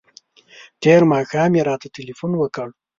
تېر ماښام یې راته تلیفون وکړ.